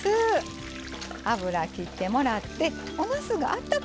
油きってもらっておなすがあったかい